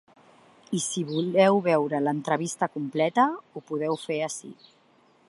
I si voleu veure l’entrevista completa, ho podeu fer ací.